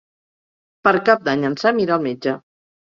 Per Cap d'Any en Sam irà al metge.